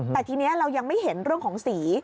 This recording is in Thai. แต่ทีนี้เรายังไม่เห็นเรื่องของสี